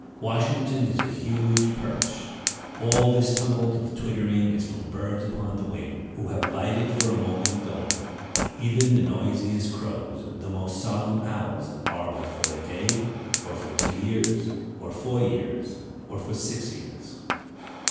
Washington is a huge perch. All this tumult of twittering is from birds upon the wing, who have lighted for a moment only. Even the noisiest crows, the most solemn owls, are but for a day, or for two years, or four years, or for six years.